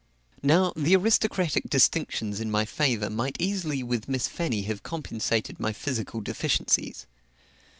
Now, the aristocratic distinctions in my favor might easily with Miss Fanny have compensated my physical deficiencies.